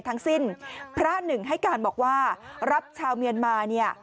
ทั้งสิ้นพระหนึ่งให้การบอกว่ารับชาวเมียนมาเนี่ย